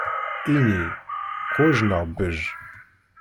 Ini: qwej neɣ bej!